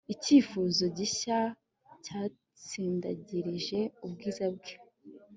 Icyifuzo gishya cyatsindagirije ubwiza bwe